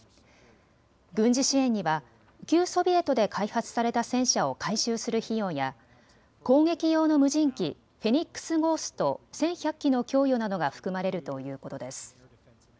軍事支援には旧ソビエトで開発された戦車を改修する費用や攻撃用の無人機フェニックスゴースト１１００機の供与などが含まれるということです。